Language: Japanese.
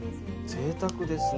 ぜいたくですね。